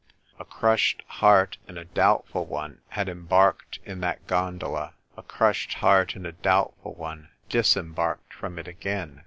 A crushed heart and a doubtful one had embarked in that gon dola ; a crushed heart and a doubtful one disembarked from it again.